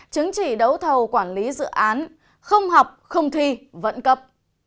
chứng chỉ đấu thầu quản lý dự án không học không thi vẫn cấp